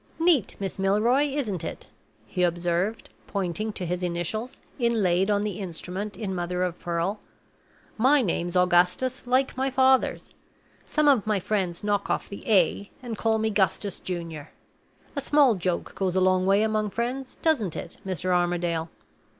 "Neat, Miss Milroy, isn't it?" he observed, pointing to his initials, inlaid on the instrument in mother of pearl. "My name's Augustus, like my father's. Some of my friends knock off the 'A,' and call me 'Gustus Junior.' A small joke goes a long way among friends, doesn't it, Mr. Armadale?